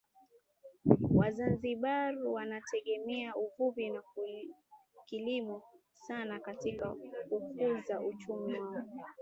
Wazanzibari wanategemea uvuvi na kilimo sana katika kukuza uchumi wao